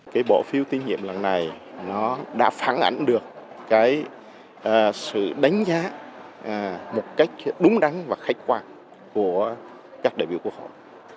cái bộ phiếu tín nhiệm lần này nó đã phản ảnh được cái sự đánh giá một cách đúng đắn và khách quan của các đại biểu quốc hội